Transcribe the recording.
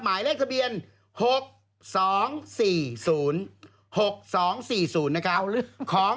หมายเลขทะเบียน